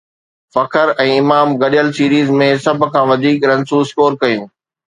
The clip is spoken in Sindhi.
فخر ۽ امام گڏيل سيريز ۾ سڀ کان وڌيڪ رنسون اسڪور ڪيون